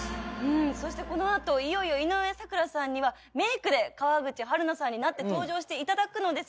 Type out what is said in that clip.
そしてこの後いよいよ井上咲楽さんにはメイクで川口春奈さんになって登場していただくのですが。